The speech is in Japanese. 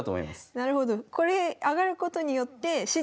なるほど。